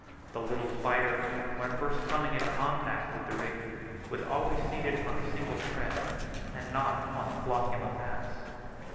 The little spider, when first coming in contact with the rigging, was always seated on a single thread, and not on the flocculent mass.